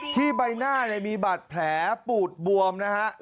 ที่ใบหน้ามีบัตรแผลปูดบวมนะครับ